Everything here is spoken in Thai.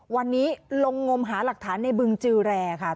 วันนี้ลงงมหาหลักฐานในบึงจือแรค่ะ